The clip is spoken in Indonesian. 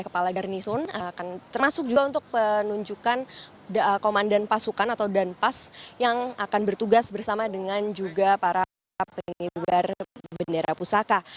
kepala garnison termasuk juga untuk penunjukan komandan pasukan atau danpas yang akan bertugas bersama dengan juga para pengibar bendera pusaka